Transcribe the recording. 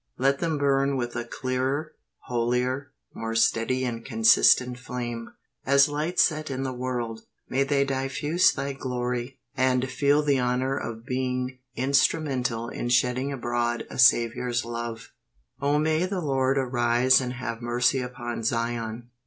Let them burn with a clearer, holier, more steady and consistent flame. As lights set in the world, may they diffuse Thy glory; and feel the honor of being instrumental in shedding abroad a Saviour's love. Oh may the Lord arise and have mercy upon Zion.